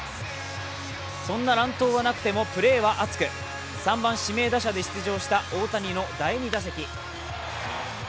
そんな乱闘はなくてもプレーは熱く３番・指名打者で出場した大谷の第２打席。